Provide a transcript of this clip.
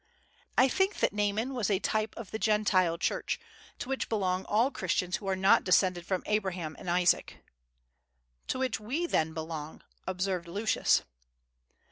I think that Naaman was a type of the Gentile church, to which belong all Christians who are not descended from Abraham and Isaac." "To which we then belong," observed Lucius.